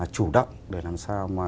chủ động để làm sao mà